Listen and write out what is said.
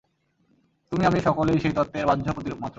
তুমি আমি সকলেই সেই তত্ত্বের বাহ্য প্রতিরূপ মাত্র।